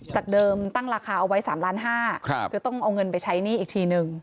จากเดิมตั้งราคาเอาไว้๓ล้านห้าคือต้องเอาเงินไปใช้หนี้อีกทีนึง